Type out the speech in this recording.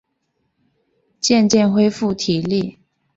渐渐恢复体力